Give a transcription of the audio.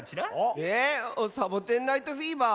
えっ「サボテン・ナイト・フィーバー」？